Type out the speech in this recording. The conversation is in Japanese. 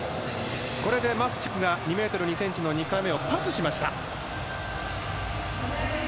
マフチフが２ｍ２ｃｍの２回目をパスしました。